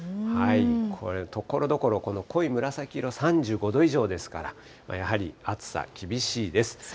これ、ところどころ、この濃い紫色、３５度以上ですから、やはり暑さ厳しいです。